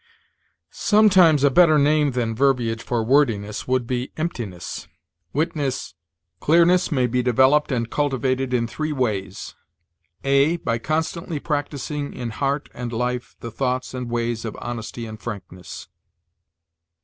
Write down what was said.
Sometimes a better name than verbiage for wordiness would be emptiness. Witness: "Clearness may be developed and cultivated in three ways, (a) By constantly practicing in heart and life the thoughts and ways of honesty and frankness."